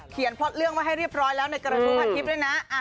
เขียนพล็อตเรื่องมาให้เรียบร้อยแล้วในกรณฑุภาคทิพย์ด้วยนะ